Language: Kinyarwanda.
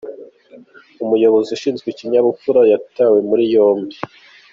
Umuyobozi ushinzwe ikinyabupfura yatawe muri yombi .